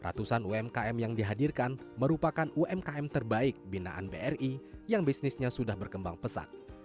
ratusan umkm yang dihadirkan merupakan umkm terbaik binaan bri yang bisnisnya sudah berkembang pesat